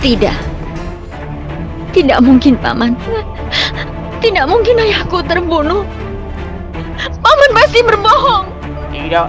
tidak tidak mungkin paman tidak mungkin ayahku terbunuh paman pasti berbohong tidak